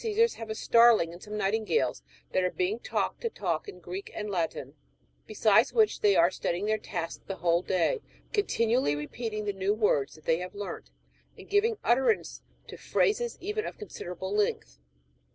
[BookX, Csesars '" have a starling and some nightingales that are being taught to talk in Greek and Latin ; besides which, they are studying their task the whole day, continually repeating the new words that they have learnt, and gi"ving utterance to phrases even of considerable length.